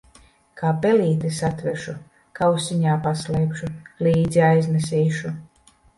Kā pelīti satveršu, kausiņā paslēpšu, līdzi aiznesīšu.